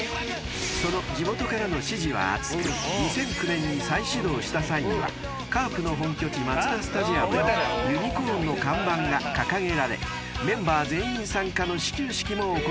２００９年に再始動した際にはカープの本拠地マツダスタジアムにユニコーンの看板が掲げられメンバー全員参加の始球式も行われました］